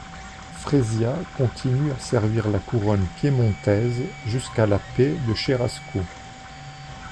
Fresia continue à servir la couronne piémontaise jusqu'à la paix de Cherasco.